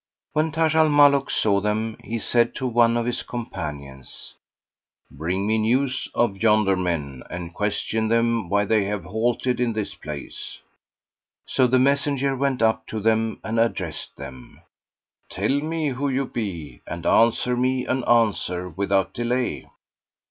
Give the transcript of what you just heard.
When Taj al Muluk saw them, he said to one of his companions, "Bring me news of yonder men and question them why they have halted in this place."[FN#474] So the messenger went up to them; and addressed them, "Tell me who ye be, and answer me an answer without delay."